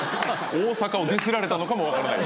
大阪をディスられたのかも分からない。